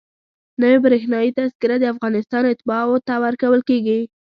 نوې برېښنایي تذکره د افغانستان اتباعو ته ورکول کېږي.